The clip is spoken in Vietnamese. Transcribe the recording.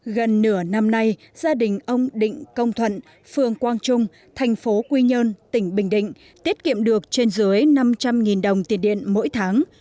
gần nửa năm nay gia đình ông định công thuận phường quang trung thành phố quy nhơn tỉnh bình định tiết kiệm được trên dưới năm trăm linh đồng tiền điện mỗi tháng